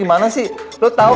aku terlalu bingung